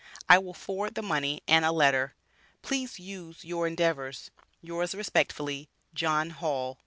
I will forward the money and a letter. Please use your endeavors. Yours Respectfuliy, JOHN HALL.